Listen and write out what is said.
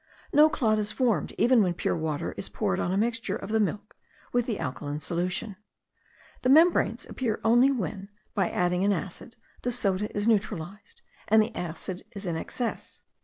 No clot is formed, even when pure water is poured on a mixture of the milk with the alkaline solution. The membranes appear only when, by adding an acid, the soda is neutralized, and the acid is in excess.